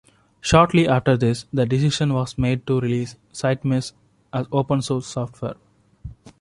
Shortly after this, the decision was made to release SiteMesh as open source software.